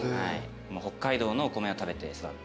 北海道のお米を食べて育った。